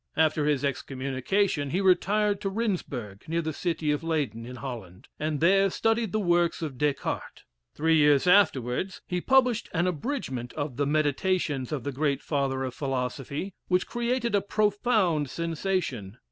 After his excommunication he retired to Rhynsburg, near the City of Leyden, in Holland, and there studied the works of Descartes. Three years afterwards he published an abridgment of the "Meditations" of the great father of philosophy, which created a profound sensation.